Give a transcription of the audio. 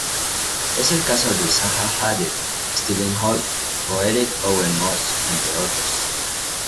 Es el caso de Zaha Hadid, Steven Holl o Eric Owen Moss, entre otros.